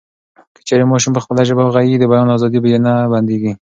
که چیري ماشوم په خپله ژبه غږېږي، د بیان ازادي یې نه بندېږي.